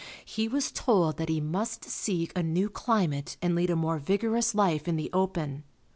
He was told that he must seek a new climate and lead a more vigorous life in the open.